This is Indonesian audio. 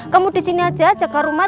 kamu di sini aja jaga rumah